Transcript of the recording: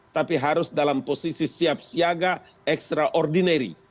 tapi harus dalam posisi siap siaga extraordinary